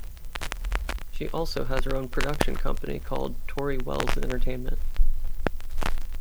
She also has her own production company called Tori Welles Entertainment.